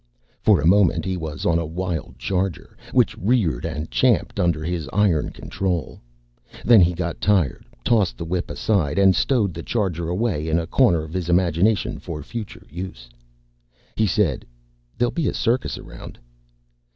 For a moment, he was on a wild charger, which reared and champed under his iron control. Then he got tired, tossed the whip aside and stowed the charger away in a corner of his imagination for future use. He said, "There'll be a circus around."